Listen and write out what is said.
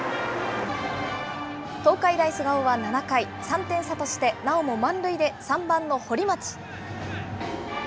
東海大菅生は７回、３点差として、なおも満塁で３番の堀町。